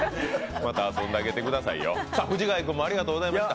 また遊んであげてくださいよ。